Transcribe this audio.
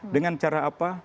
dengan cara apa